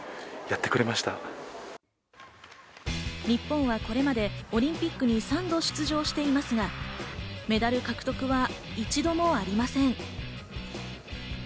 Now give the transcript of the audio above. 日本はこれまでオリンピックに３度出場していますが、メダル獲得は一度もありません。